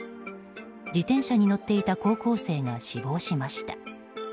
自転車に乗っていた高校生が死亡しました。